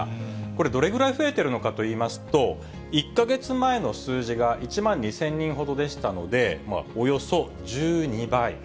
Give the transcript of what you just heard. これどれぐらい増えているのかといいますと、１か月前の数字が１万２０００人ほどでしたので、およそ１２倍。